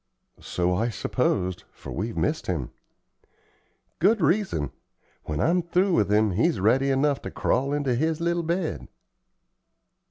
"So I supposed, for we've missed him." "Good reason. When I'm through with him he's ready enough to crawl into his little bed."